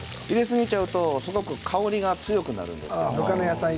入れすぎちゃうとすごく香りが強くなるんです。